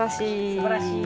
すばらしい。